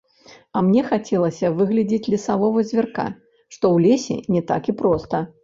А мне хацелася выглядзець лесавога звярка, што ў лесе не так і проста.